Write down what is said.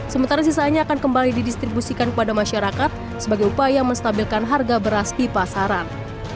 sementara sisanya akan kembali didistribusikan kepada masyarakat sebagai upaya menstabilkan harga beras di pasaran